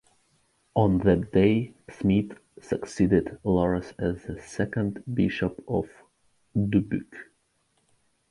On that day, Smyth succeeded Loras as the second bishop of Dubuque.